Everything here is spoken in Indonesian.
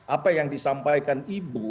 apa yang disampaikan ibu